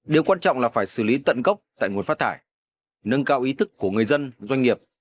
điều quan trọng là phải xử lý tận gốc tại nguồn phát thải nâng cao ý thức của người dân doanh nghiệp